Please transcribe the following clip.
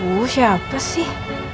oh siapa sih